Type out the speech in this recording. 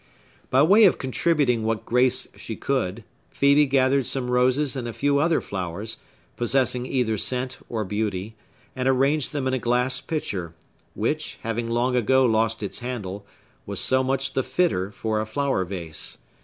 By way of contributing what grace she could, Phœbe gathered some roses and a few other flowers, possessing either scent or beauty, and arranged them in a glass pitcher, which, having long ago lost its handle, was so much the fitter for a flower vase.